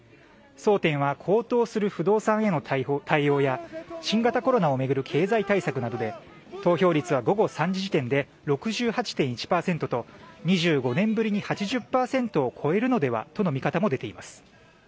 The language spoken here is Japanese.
争点は高騰する不動産への対応や新型コロナを巡る経済対策などで投票率は午後３時時点で６８．１％と２５年ぶりに８０％を超えるのではとの見方も出ています。